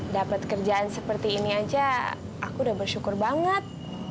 dapat kerjaan seperti ini aja aku udah bersyukur banget